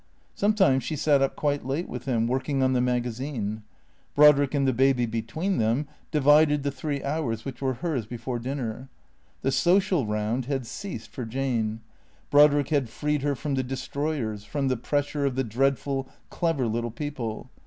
Sometimes she sat up quite late with him, working on the magazine. Brodrick and the baby between them divided the three hours which were hers before dinner. The social round had ceased for Jane. Brodrick had freed her from the destroy ers, from the pressure of tlie dreadful, clever little people.